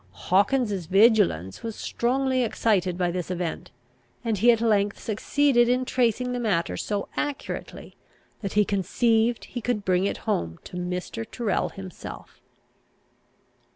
Hawkins's vigilance was strongly excited by this event, and he at length succeeded in tracing the matter so accurately, that he conceived he could bring it home to Mr. Tyrrel himself.